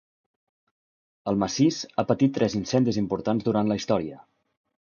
El massís ha patit tres incendis importants durant la història.